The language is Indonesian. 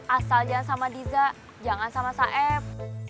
asal jangan sama diza jangan sama saif